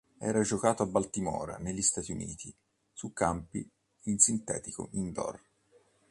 Era giocato a Baltimora negli Stati Uniti su campi in sintetico indoor.